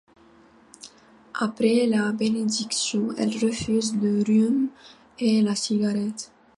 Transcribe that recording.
Après la bénédiction, elle refuse le rhum et la cigarette.